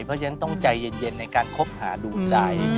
เพราะฉะนั้นต้องใจเย็นในการคบหาดูใจ